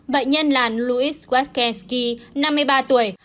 bệnh nhân là louis wazkiewski năm mươi ba tuổi